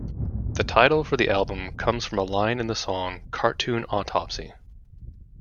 The title for the album comes from a line in the song "Cartoon Autopsy".